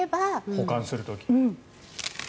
保管する時。